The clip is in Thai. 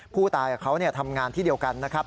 ผู้ตายกับเขาทำงานที่เดียวกันนะครับ